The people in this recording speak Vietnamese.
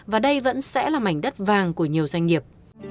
và đây vẫn sẽ là mảnh đất vàng của nhiều doanh nghiệp